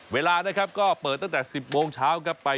เวลานะครับก็เปิดตั้งแต่๑๐โมงเช้าครับไป